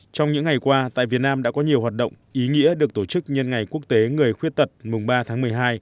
trong những ngày qua tại việt nam đã có nhiều hoạt động ý nghĩa được tổ chức nhân ngày quốc tế người khuyết tật mùng ba tháng một mươi hai